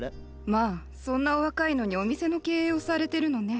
まあそんなお若いのにお店の経営をされてるのね。